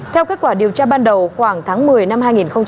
theo kết quả điều tra ban đầu khoảng tháng một mươi năm hai nghìn hai mươi một